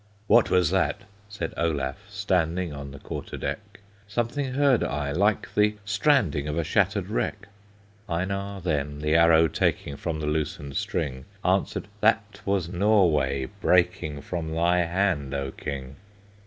"What was that?" said Olaf, standing On the quarter deck. "Something heard I like the stranding Of a shattered wreck." Einar then, the arrow taking From the loosened string, Answered, "That was Norway breaking From thy hand, O king!"